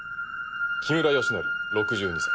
木村良徳６２歳。